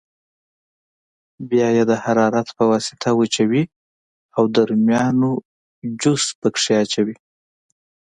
بیا یې د حرارت په واسطه وچوي او د رومیانو جوشه پکې اچوي.